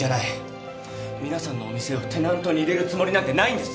皆さんのお店をテナントに入れるつもりなんてないんです！